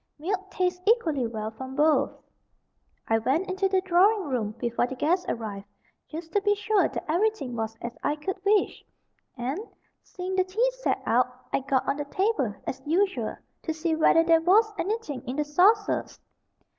Milk tastes equally well from both. I went into the drawing room before the guests arrived just to be sure that everything was as I could wish and, seeing the tea set out, I got on the table, as usual, to see whether there was anything in the saucers.